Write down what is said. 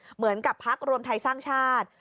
เหมือนกับพักรวมไทยสร้างชาติ